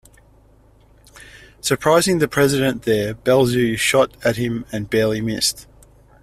Surprising the President there, Belzu shot at him and barely missed.